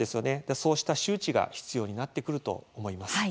そうした周知が必要になってくると思います。